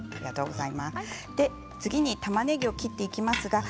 次にたまねぎを切っていきます。